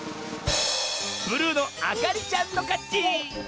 ブルーのあかりちゃんのかち！